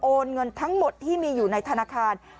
เงินทั้งหมดที่มีอยู่ในธนาคาร